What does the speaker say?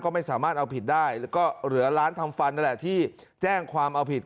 ก็ไม่สามารถเอาผิดได้แล้วก็เหลือร้านทำฟันนั่นแหละที่แจ้งความเอาผิด